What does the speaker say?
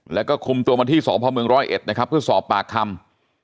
แล้วก็คุมตัวมาที่สพเมืองร้อยเอ็ดนะครับเพื่อสอบปากคำ